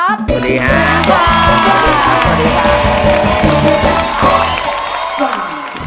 สวัสดีครับ